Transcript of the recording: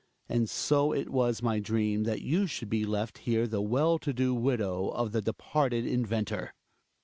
And so it was my dream that you should be left here the well to do widow of the departed inventor.